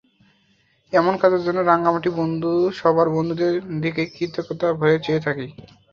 এমন কাজের জন্য রাঙামাটি বন্ধুসভার বন্ধুদের দিকে কৃতজ্ঞতা ভরে চেয়ে থাকি।